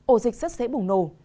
ổ dịch rất dễ bùng nổ